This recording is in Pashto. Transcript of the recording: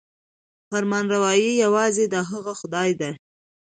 فرمانروايي یوازې د هغه خدای ده.